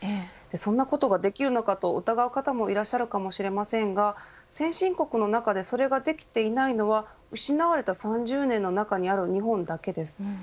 そんなことができるのかと疑う方がいらっしゃるかもしれませんが先進国の中でそれができていないのは失われた３０年の中にある日本だけです。